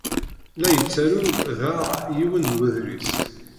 La yettaru, daɣ, yiwen n wedlis.